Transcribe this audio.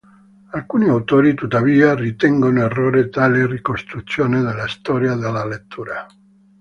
Alcuni autori, tuttavia, ritengono erronea tale ricostruzione della storia della lettura.